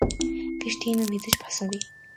Гэвч тийм юм хэзээ ч болсонгүй.